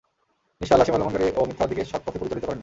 নিশ্চয় আল্লাহ সীমালংঘনকারী ও মিথ্যাবাদীকে সৎপথে পরিচালিত করেন না।